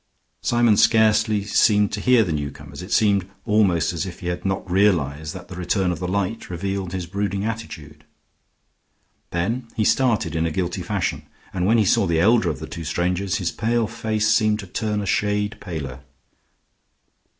Symon scarcely seemed to hear the newcomers; it seemed almost as if he had not realized that the return of the light revealed his brooding attitude. Then he started in a guilty fashion, and when he saw the elder of the two strangers, his pale face seemed to turn a shade paler.